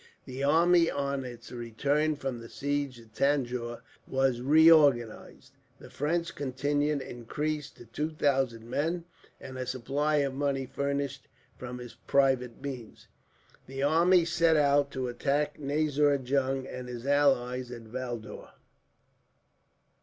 The army, on its return from the siege of Tanjore, was reorganized; the French contingent increased to two thousand men; and a supply of money furnished, from his private means. "The army set out to attack Nazir Jung and his ally at Valdaur.